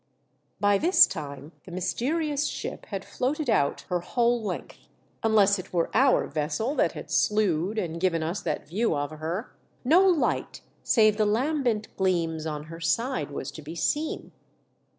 By this time the mysterious ship had lloated out her whole length, unless it were our vessel that had slewed and given us that view of her. No light save the lambent gleams on her sides was to be seen.